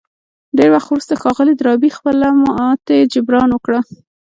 ډېر وخت وروسته ښاغلي ډاربي خپله ماتې جبران کړه.